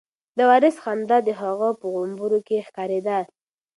د وارث خندا د هغه په غومبورو کې ښکارېده.